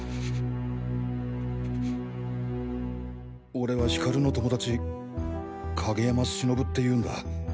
俺はヒカルの友達影山忍って言うんだ。